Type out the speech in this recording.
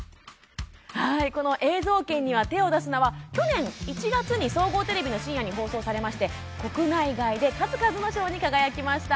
この「映像研には手を出すな！」は去年１月に総合テレビの深夜に放送され国内外で数々の賞に輝きました。